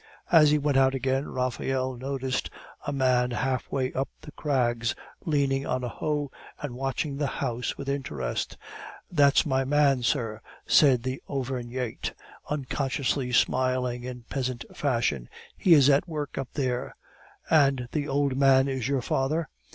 As he went out again Raphael noticed a man half way up the crags, leaning on a hoe, and watching the house with interest. "That's my man, sir," said the Auvergnate, unconsciously smiling in peasant fashion; "he is at work up there." "And that old man is your father?"